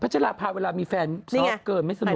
พระเจ้าลาภาพเวลามีแฟนซอฟต์เกินไม่สนุกเลย